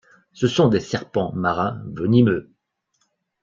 Ce sont des serpents marins venimeux.